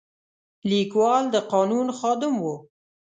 لیکوال د قانون خادم و.